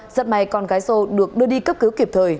rất may con gái sô được đưa đi cấp cứu kịp thời